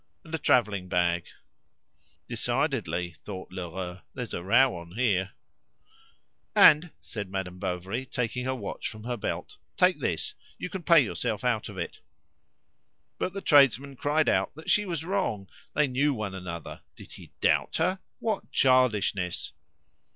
"And a travelling bag." "Decidedly," thought Lheureux, "there's a row on here." "And," said Madame Bovary, taking her watch from her belt, "take this; you can pay yourself out of it." But the tradesman cried out that she was wrong; they knew one another; did he doubt her? What childishness!